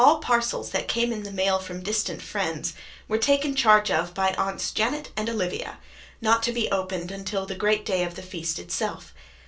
All parcels that came in the mail from distant friends were taken charge of by Aunts Janet and Olivia, not to be opened until the great day of the feast itself.